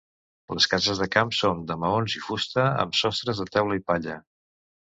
Les cases de camp són de maons i fusta, amb sostres de teules i palla.